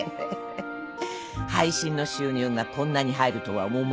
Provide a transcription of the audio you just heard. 配信の収入がこんなに入るとは思わなかったけど。